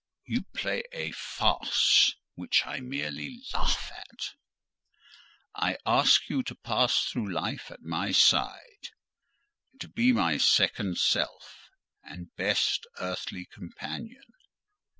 "You play a farce, which I merely laugh at." "I ask you to pass through life at my side—to be my second self, and best earthly companion."